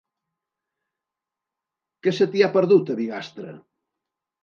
Què se t'hi ha perdut, a Bigastre?